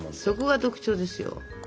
そこが特徴ですよ。